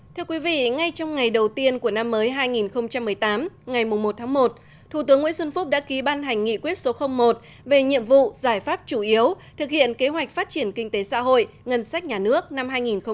thưa quý vị ngay trong ngày đầu tiên của năm mới hai nghìn một mươi tám ngày một tháng một thủ tướng nguyễn xuân phúc đã ký ban hành nghị quyết số một về nhiệm vụ giải pháp chủ yếu thực hiện kế hoạch phát triển kinh tế xã hội ngân sách nhà nước năm hai nghìn một mươi chín